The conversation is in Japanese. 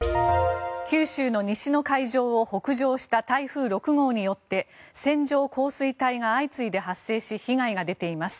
九州の西の海上を北上した台風６号によって線状降水帯が相次いで発生し被害が出ています。